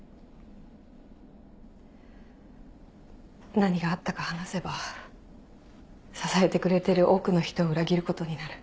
何があったか話せば支えてくれてる多くの人を裏切ることになる。